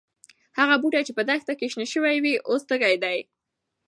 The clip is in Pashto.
هغه بوټي چې په دښته کې شنه شوي وو، اوس تږي دي.